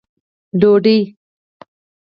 ډوډۍ